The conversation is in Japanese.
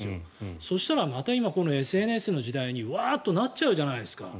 そしたらまた今このＳＮＳの時代にワーッとなっちゃうじゃないですか。